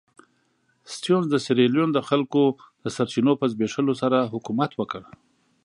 سټیونز د سیریلیون د خلکو د سرچینو په زبېښلو سره حکومت وکړ.